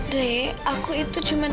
de aku itu cuma